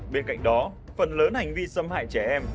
bên cạnh đó phần lớn hành vi xâm hại trẻ em